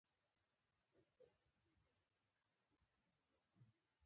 لوی لوی بندونه يې ونړول.